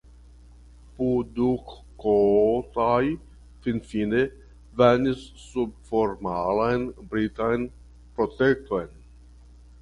Pudukkotai finfine venis sub formalan britan protekton.